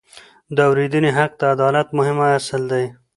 د اورېدنې حق د عدالت مهم اصل دی.